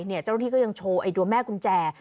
เจ้าหน้าที่ก็ยังโชว์ตัวแม่กุญแจ